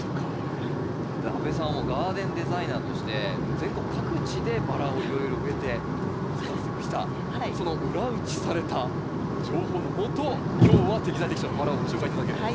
阿部さんはガーデンデザイナーとして全国各地でバラをいろいろ植えて育ててきたその裏打ちされた情報のもと今日は適材適所のバラをご紹介頂けると。